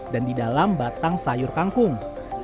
dan di dalam batang sayur kangkung